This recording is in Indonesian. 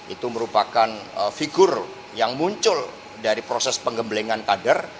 itu merupakan figur yang muncul dari proses pengembelengan kader